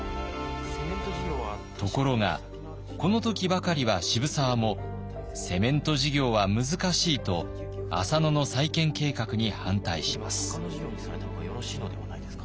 ところがこの時ばかりは渋沢もセメント事業は難しいと浅野の再建計画に反対します。